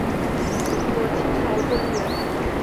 中国清朝官员。